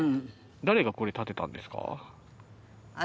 誰がこれ建てたんですか？